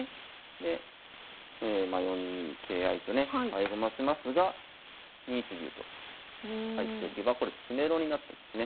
で４二桂合とね合駒しますが２一竜と入っておけばこれ詰めろになってますね。